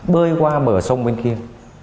bơi qua bờ sông bên kia